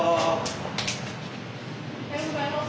おはようございます。